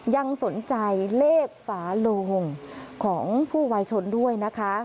ยังสนใจเลขฝาโลงของผู้วายชนด้วยนะคะ